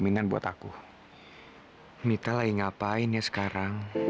biar kan aku yang ajakin kamu